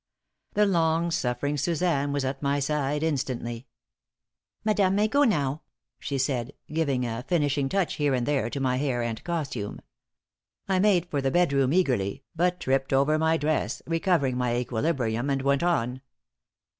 The long suffering Suzanne was at my side, instantly. "Madame may go now," she said, giving a finishing touch here and there to my hair and costume. I made for the bedroom eagerly, but tripped over my dress, recovering my equilibrium and went on.